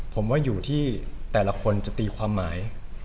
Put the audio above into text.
ผมว่าอยู่ที่แต่ละคนจะตีความหมาย